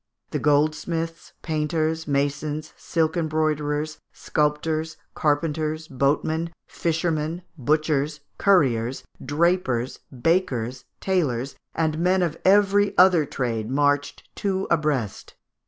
The goldsmiths, painters, masons, silk embroiderers, sculptors, carpenters, boatmen, fishermen, butchers, curriers, drapers, bakers, tailors, and men of every other trade marched two abreast.